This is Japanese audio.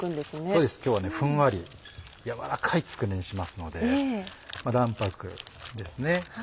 そうです今日はふんわり軟らかいつくねにしますので卵白ですね。